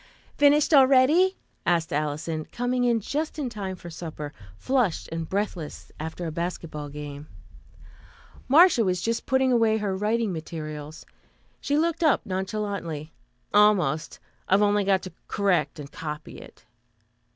"Finished already?" asked Alison, coming in just in time for supper, flushed and breathless after a basketball game. Marcia was just putting away her writing materials. She looked up nonchalantly. "Almost. I've only to correct and copy it."